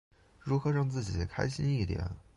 如何让自己开心一点？